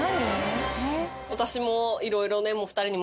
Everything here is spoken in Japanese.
私も。